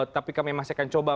tapi kami masih akan coba